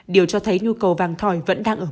điều cho thấy nhu cầu vàng thòi vẫn đang ở mức